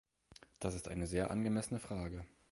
Das ist eine sehr angemessene Frage.